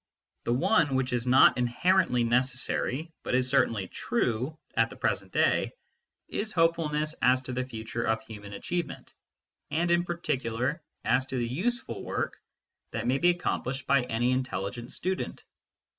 The one, which is not inherently necessary, but is certainly true 40 MYSTICISM AND LOGIC at the present day, is hopefulness as to the future of human achievement, and in particular as to the useful work that may be accomplished by any intelligent student.